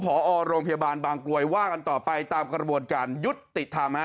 ผอโรงพยาบาลบางกรวยว่ากันต่อไปตามกระบวนการยุทธ์ติดทำฮะ